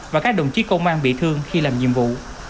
và các đồng chí công an bị thương khi làm nhiệm vụ